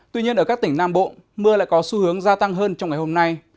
tuy nhiên ở các tỉnh nam bộ mưa lại có xu hướng gia tăng hơn trong ngày hôm nay